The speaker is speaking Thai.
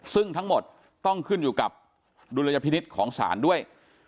ซึ่งทั้งหมดต้องขึ้นอยู่กับดุลยพินิษฐ์ของศาลด้วย